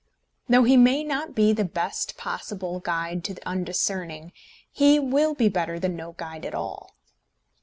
Though he may be not the best possible guide to the undiscerning, he will be better than no guide at all.